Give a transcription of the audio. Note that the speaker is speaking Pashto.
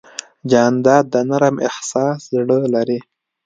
جانداد د نرم احساس زړه لري.